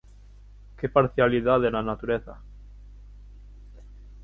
Que parcialidade na natureza!